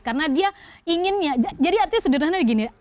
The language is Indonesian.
karena dia inginnya jadi artinya sederhana begini